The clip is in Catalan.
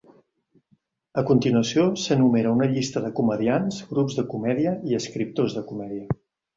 A continuació s'enumera una llista de comediants, grups de comèdia i escriptors de comèdia.